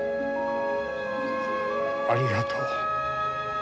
ありがとう。